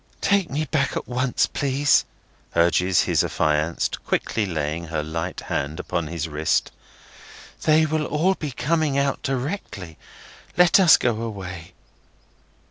"Take me back at once, please," urges his Affianced, quickly laying her light hand upon his wrist. "They will all be coming out directly; let us get away.